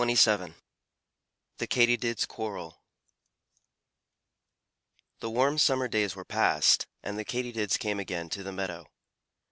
THE KATYDIDS' QUARREL The warm summer days were past, and the Katydids came again to the meadow.